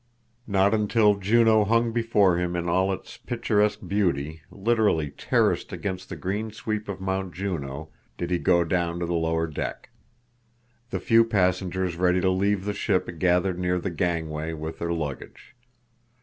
Not until Juneau hung before him in all its picturesque beauty, literally terraced against the green sweep of Mount Juneau, did he go down to the lower deck. The few passengers ready to leave the ship gathered near the gangway with their luggage.